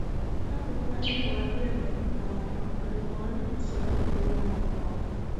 Ka pok waringo wadhi e dhok moko, oripo wamii Kiswahili thuolo mokwongo.